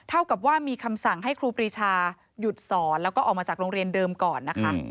เท่ากับว่ามีคำสั่งให้ครูปรีชาหยุดสอนแล้วก็ออกมาจากโรงเรียนเดิมก่อนนะคะ